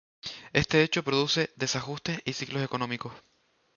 Este hecho produce desajustes o ciclos económicos.